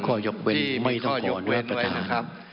เป็นข้อยกเว้นไม่ต้องขอด้วยนะครับ